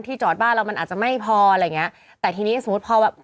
จอดบ้านเรามันอาจจะไม่พออะไรอย่างเงี้ยแต่ทีนี้สมมุติพอแบบ